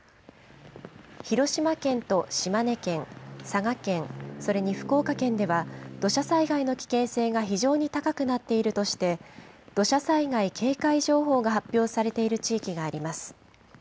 広島県と島根県、佐賀県、それに福岡県では、土砂災害の危険性が非常に高くなっているとして、土砂災害警戒情報が発表されている地域があります。